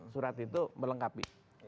surat itu melengkapi